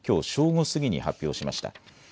午過ぎに発表しました。